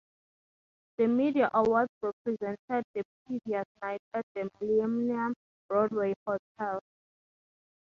The media awards were presented the previous night at the Millennium Broadway hotel.